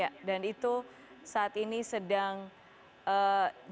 ya dan itu saat ini sedang dilakukan